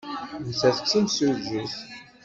Nettat d timsujjit.